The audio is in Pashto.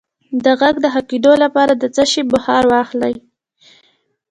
د غږ د ښه کیدو لپاره د څه شي بخار واخلئ؟